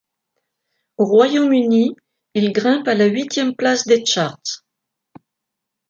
Au Royaume-Uni, il grimpe à la huitième place des charts.